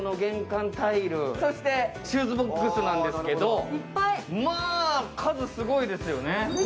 シューズボックスなんですけど、まぁ、数すごいですよね。